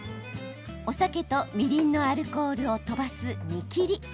お酒とみりんのアルコールを飛ばす、煮きり。